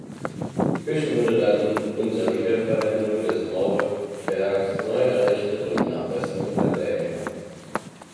Die Kirche wurde dann unter Wiederverwendung des Mauerwerks neu errichtet und nach Westen verlängert.